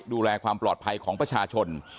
ดูแลความปลอดภัยของประชาชน